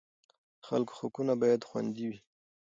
د خلکو حقونه باید خوندي وي.